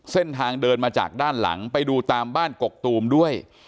เส้นทางเดินมาจากด้านหลังไปดูตามบ้านกกตูมด้วย